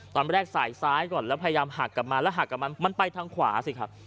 สายซ้ายก่อนแล้วพยายามหักกลับมาแล้วหักกับมันมันไปทางขวาสิครับ